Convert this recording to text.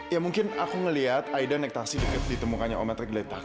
ya mungkin aku ngeliat haida naik taksi deket di tembakannya oma tergeletak